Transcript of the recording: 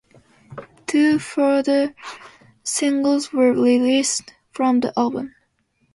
Two further singles were released from the album.